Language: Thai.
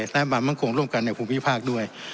และความมั่นคงร่วมกันในภูมิภาคด้วย